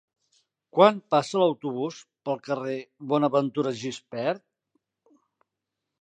Quan passa l'autobús pel carrer Bonaventura Gispert?